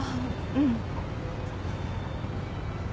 うん。